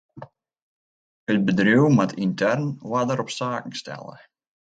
It bedriuw moat yntern oarder op saken stelle.